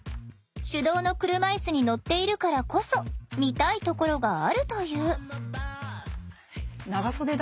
手動の車いすに乗っているからこそ見たいところがあるという。